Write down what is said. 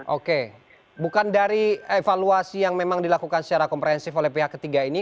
oke bukan dari evaluasi yang memang dilakukan secara komprehensif oleh pihak ketiga ini